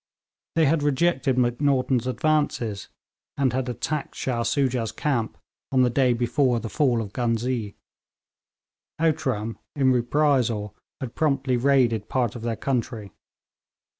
They had rejected Macnaghten's advances, and had attacked Shah Soojah's camp on the day before the fall of Ghuznee. Outram, in reprisal, had promptly raided part of their country.